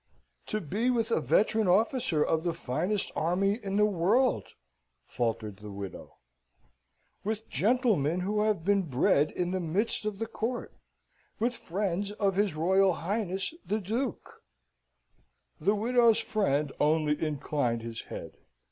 "To be with a veteran officer of the finest army in the world," faltered the widow; "with gentlemen who have been bred in the midst of the Court; with friends of his Royal Highness, the Duke " The widow's friend only inclined his head.